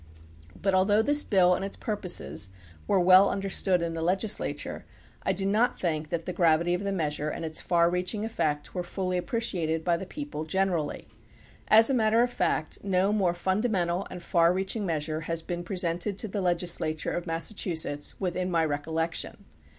But although this bill and its purposes were well un derstood in the legislature, I do not think that the gravity of the measure and its far reaching effect were fully appreciated by the people generally. As a matter of fact, no more fundamental and far reaching measure has been presented to the legislature of Mas sachusetts within my recollection.